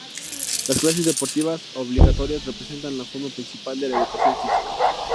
Las clases deportivas obligatorias representan la forma principal de la educación física.